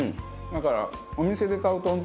だからお店で買うと本当